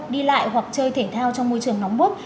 đi lại hoặc chơi thể thao trong môi trường nóng bước